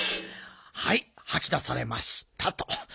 はいはき出されましたと。